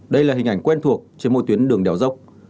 đây là hình ảnh quen thuộc trên một tuyến đường đèo dốc